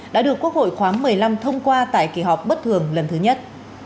đã được quốc hội khóa một mươi năm thông qua tại kỳ họp bất thường lần thứ nhất